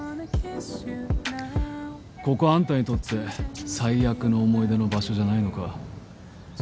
ここはあんたにとって最悪の思い出の場所じゃないのか？